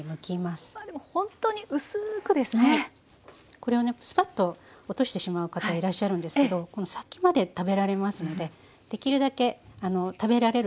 これをねスパッと落としてしまう方いらっしゃるんですけどこの先まで食べられますのでできるだけ食べられるところは残しましょう。